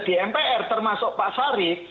di mpr termasuk pak sarif